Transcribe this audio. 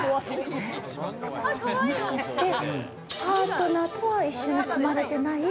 もしかして、パートナーとは一緒に住まれてない。